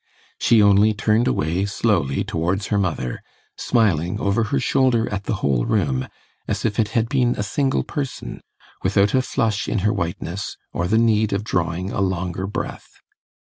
She only turned away slowly towards her mother, smiling over her shoulder at the whole room, as if it had been a single person, without a flush in her whiteness, or the need of drawing a longer breath.